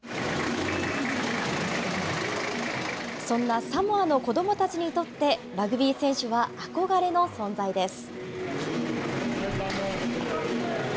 そんなサモアの子どもたちにとって、ラグビー選手は憧れの存在です。